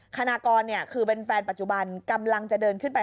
ตอนต่อไป